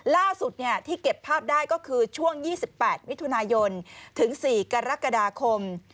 ล่าสุดที่เก็บภาพได้ก็คือช่วง๒๘มิถุนายนถึง๔กรกฎาคม